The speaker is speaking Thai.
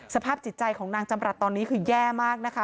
สภาพจิตใจของนางจำรัฐตอนนี้คือแย่มากนะคะ